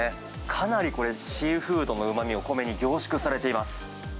かなりこれ、シーフードのうまみ、お米に凝縮されています。